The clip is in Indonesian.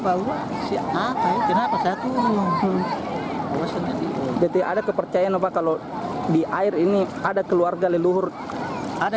bahwa siapa kenapa saya turun jadi ada kepercayaan apa kalau di air ini ada keluarga leluhur ada